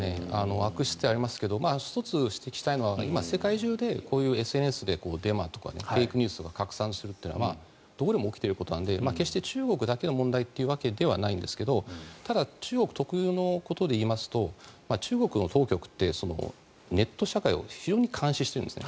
悪質ではありますが１つ指摘したいのは今、世界中でこういうＳＮＳでデマとかフェイクニュースが拡散するということはどこでも起きていることなので決して中国だけの問題というわけではないんですがただ中国特有のことで言いますと中国の当局ってネット社会を非常に監視してるんですね。